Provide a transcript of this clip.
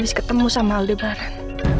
selama daftar sama aldebaran